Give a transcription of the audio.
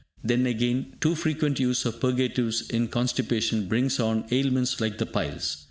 Then again, too frequent use of purgatives in constipation brings on ailments like the piles.